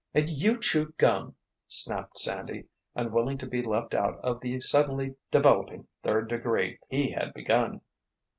"And you chew gum!" snapped Sandy, unwilling to be left out of the suddenly developing "third degree" he had begun.